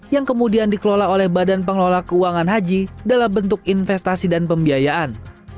yang kemudian dikelola oleh badan pengelola keuangan haji dalam bentuk investasi dan pembiayaan